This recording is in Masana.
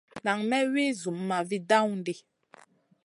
Nan may wi Zumma vi dawn ɗi.